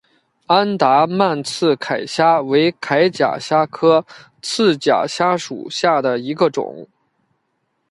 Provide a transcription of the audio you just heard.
安达曼刺铠虾为铠甲虾科刺铠虾属下的一个种。